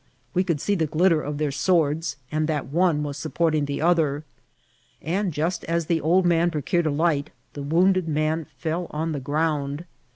We could see the glitter of their swords, and that one was supporting the other ; and, just as the old man procured a light, the wounded man fell on the ground.